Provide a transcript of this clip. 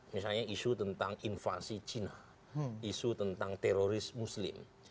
misalnya isu tentang invasi cina isu tentang teroris muslim